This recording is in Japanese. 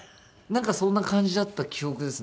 なんかそんな感じだった記憶ですね。